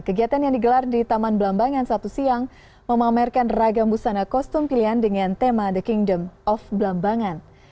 kegiatan yang digelar di taman belambangan satu siang memamerkan ragam busana kostum pilihan dengan tema the kingdom of belambangan